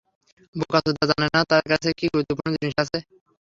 বোকাচোদা জানেনা তার কাছে কি গুরুত্বপূর্ণ জিনিস আছে।